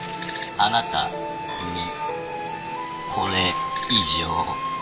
あなたにこれ以上。